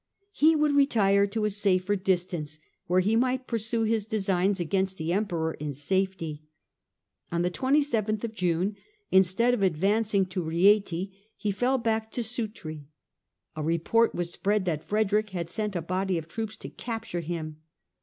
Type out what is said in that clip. He would retire to a safer distance where he might pursue his designs against the Emperor in safety. On the 2yth of June, instead of advancing to Rieti, he fell back to Sutri. A report was spread that Frederick had sent a body of troops to capture him.